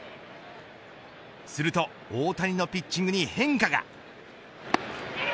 すると大谷のピッチングに変化が。